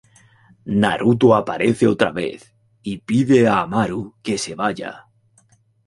Naruto aparece otra vez y pide Amaru que se vaya.